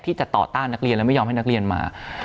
ที่จะต่อต้านนักเรียนและไม่ยอมให้นักเรียนมา